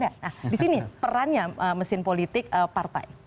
nah di sini perannya mesin politik partai